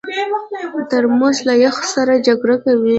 ترموز له یخ سره جګړه کوي.